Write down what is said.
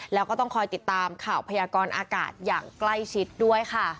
แล้วก็ต้องคอยติดตามข่าวพยากรอากาศอย่างใกล้ชิดด้วยค่ะ